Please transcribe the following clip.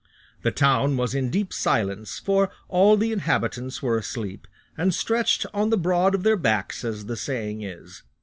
The town was in deep silence, for all the inhabitants were asleep, and stretched on the broad of their backs, as the saying is.